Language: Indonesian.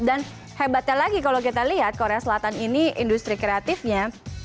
dan hebatnya lagi kalau kita lihat korea selatan ini industri kreatifnya